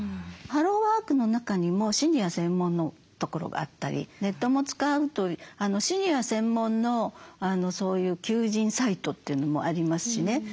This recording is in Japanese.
ハローワークの中にもシニア専門のところがあったりネットも使うとシニア専門のそういう求人サイトというのもありますしね。